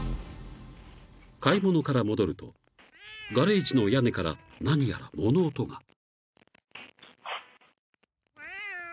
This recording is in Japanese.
［買い物から戻るとガレージの屋根から何やら物音が］